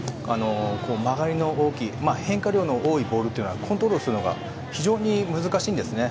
曲がりの大きい変化量の多いボールというのはコントロールするのが非常に難しいんですね。